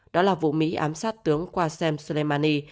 đó là vụ mỹ ám sát tướng qasem soleimani